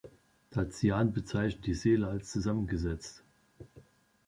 Tatian bezeichnete die Seele als zusammengesetzt.